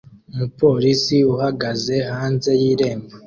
Umupolisi uhagaze hanze y'irembo